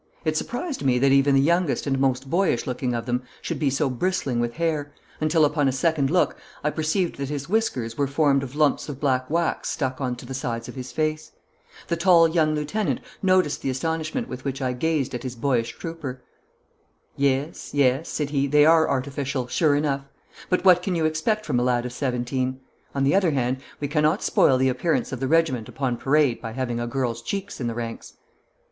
It surprised me that even the youngest and most boyish looking of them should be so bristling with hair, until, upon a second look, I perceived that his whiskers were formed of lumps of black wax stuck on to the sides of his face. The tall young lieutenant noticed the astonishment with which I gazed at his boyish trooper. 'Yes, yes,' said he, 'they are artificial, sure enough; but what can you expect from a lad of seventeen? On the other hand, we cannot spoil the appearance of the regiment upon parade by having a girl's cheeks in the ranks.'